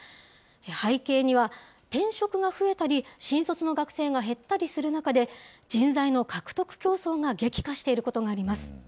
背景には、転職が増えたり、新卒の学生が減ったりする中で、人材の獲得競争が激化していることがあります。